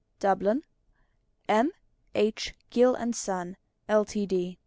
DUBLIN: M. H. GILL & SON, LTD.